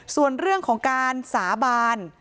ส่วนเรื่องของการสาบาน